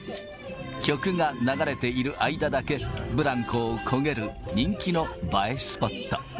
曲が流れている間だけ、ブランコをこげる人気の映えスポット。